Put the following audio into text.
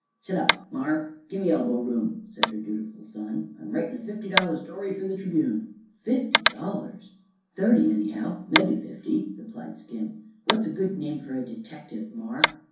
"Shet up, mar. Gi' me elbow room," said her dutiful son. "I'm writin' a fifty dollar story fer the Tribune." "Fifty dollars!" "Thirty, anyhow; mebbe fifty," replied Skim. "What's a good name fer a detective, mar?"